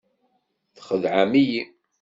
Txedɛem-iyi.